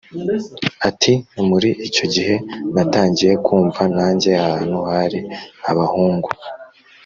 ati “muri icyo gihe natangiye kumva najya ahantu hari abahungu